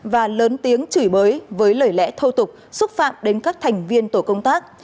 và lớn tiếng chửi bới với lời lẽ thô tục xúc phạm đến các thành viên tổ công tác